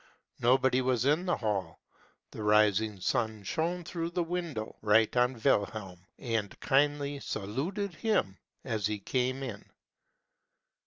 Nobody was in the hall : the rising sun shone through the window, right on Wilhelm, and kindly saluted him as he came in.